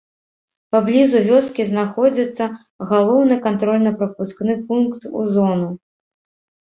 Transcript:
Паблізу вёскі знаходзіцца галоўны кантрольна-прапускны пункт у зону.